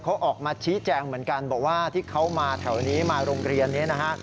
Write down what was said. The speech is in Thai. เขาออกมาชี้แจงเหมือนกันบอกว่าที่เขามาแถวนี้มาโรงเรียนนี้นะฮะ